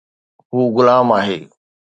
هو غلام آهي